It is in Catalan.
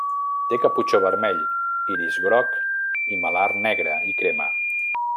Té caputxó vermell, iris groc i malar negre i crema.